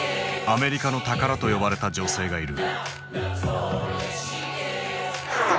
「アメリカの宝」と呼ばれた女性がいる。